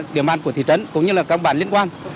địa bàn của thị trấn cũng như là các bản liên quan